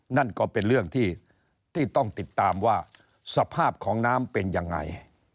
นั่นก็เป็นเรื่องที่ต้องติดตามว่าสภาพของน้ำเป็นยังไง